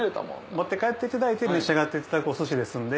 持って帰っていただいて召し上がっていただくお寿司ですんで。